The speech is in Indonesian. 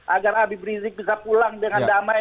agar habib rizik bisa pulang dengan damai